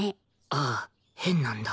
ああ変なんだ。